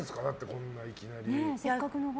こんないきなり。